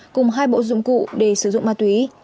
cùng hai bộ dụng cụ để sử dụng ma túy